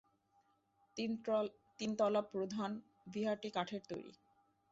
তিনতলা প্রধান বিহারটি কাঠের তৈরী।